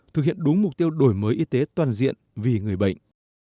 thực hiện đúng mục tiêu đổi mới y tế toàn diện vì người bệnh